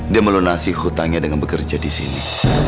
dia melunasi hutangnya dengan bekerja di sini